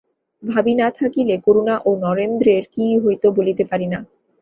ভবি না থাকিলে করুণা ও নরেন্দ্রের কী হইত বলিতে পারি না।